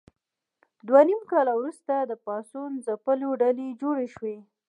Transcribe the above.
دوه نیم کاله وروسته د پاڅون د ځپلو ډلې جوړې شوې.